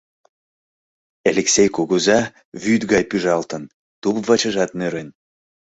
Элексей кугыза вӱд гай пӱжалтын, туп-вачыжат нӧрен.